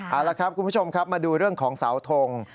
เอาละครับคุณผู้ชมครับมาดูเรื่องของเสาทง